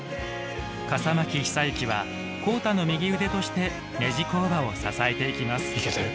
笠巻久之は浩太の右腕としてネジ工場を支えていきます。